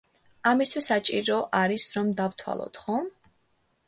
ამისთვის საჭირო არის რომ დავთვალოთ, ხომ?